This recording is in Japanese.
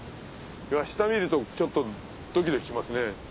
下見るとちょっとドキドキしますね。